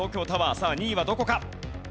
さあ２位はどこか？